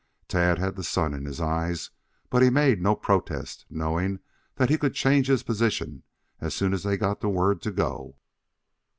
Tad had the sun in his eyes, but he made no protest, knowing that he could change his position as soon as they got the word to go.